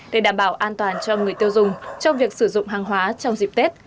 để đảm bảo an toàn cho người tiêu dùng trong việc sử dụng hàng hóa trong dịp tết